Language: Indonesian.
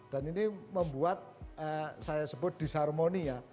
dan ini membuat saya sebut disharmoni ya